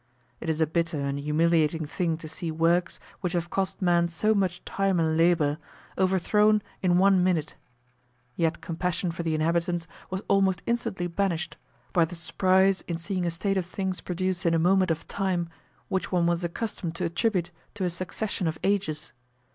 It is a bitter and humiliating thing to see works, which have cost man so much time and labour, overthrown in one minute; yet compassion for the inhabitants was almost instantly banished, by the surprise in seeing a state of things produced in a moment of time, which one was accustomed to attribute to a succession of ages.